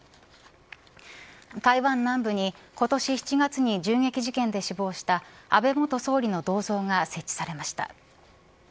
台湾南部に今年７月に銃撃事件で死亡した安倍元総理の銅像が設置されました。